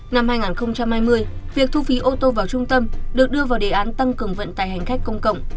năm hai nghìn hai mươi việc thu phí ô tô vào trung tâm được đưa vào đề án tăng cường vận tài hành khách công cộng